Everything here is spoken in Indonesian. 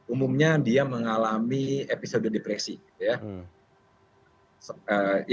umumnya dia mengalami episode depresi gitu ya